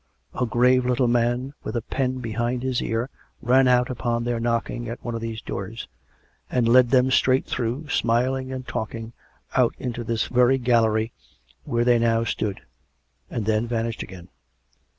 A grave little man^ with a pen behind his ear. COME RACK! COME ROPE! lC5 ran out upon their knocking at one of these doors, and led them straight through, smiling and talking, out into this very gallery where they now stood; and then vanished again.